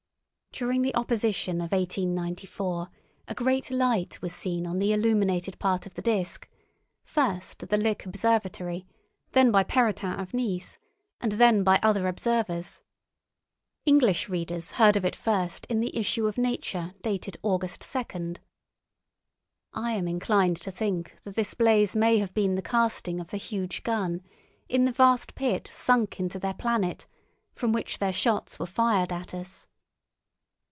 During the opposition of 1894 a great light was seen on the illuminated part of the disk, first at the Lick Observatory, then by Perrotin of Nice, and then by other observers. English readers heard of it first in the issue of Nature dated August 2. I am inclined to think that this blaze may have been the casting of the huge gun, in the vast pit sunk into their planet, from which their shots were fired at us.